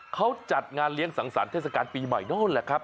เขาจัดงานเลี้ยงสังสรรคเทศกาลปีใหม่โน้นแหละครับ